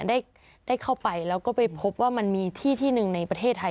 แต่ว่าพอวันนึงได้เข้าไปไปพบว่ามีที่นึงในประเทศไทย